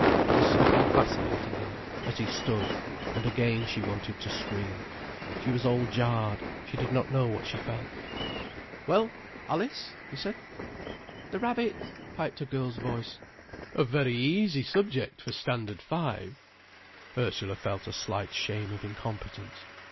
There was something fascinating in him, as he stood, and again she wanted to scream. She was all jarred, she did not know what she felt. "Well, Alice?" he said. "The rabbit," piped a girl's voice. "A very easy subject for Standard Five." Ursula felt a slight shame of incompetence.